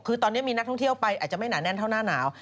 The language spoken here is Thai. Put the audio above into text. คือตอนนี้มีนักท่องเที่ยวไปอาจจะไม่หนาแน่นเท่าหน้าหนาว